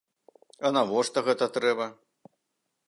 А навошта гэта трэба?